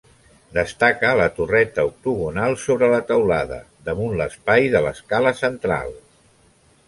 Destaca la torreta octogonal sobre la teulada, damunt l'espai de l'escala central.